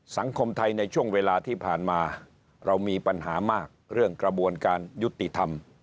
สังคมไทยในช่วงเวลาที่ผ่านมาเรามีปัญหามากเรื่องกระบวนการยุติธรรม